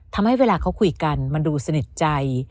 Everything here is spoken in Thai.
ทำให้เวลาเขาคุยกันมันดูสนิทใจ